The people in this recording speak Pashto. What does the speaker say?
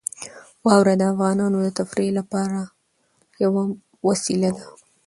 واوره د افغانانو د تفریح لپاره یوه وسیله ده.